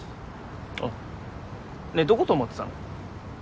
あっねえどこ泊まってたの？